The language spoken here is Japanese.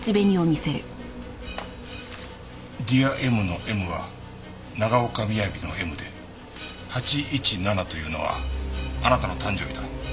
「ＤｅａｒＭ」の「Ｍ」は長岡雅の「Ｍ」で「８．１７」というのはあなたの誕生日だ。